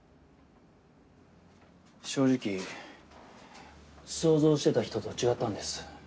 正直想像してた人と違ったんです。